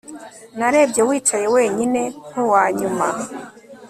narebye wicaye wenyine, nkuwanyuma